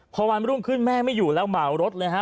พอวานไม่ร่วมขึ้นแม่ไม่อยู่แล้วหม่าออกรถเลยฮะ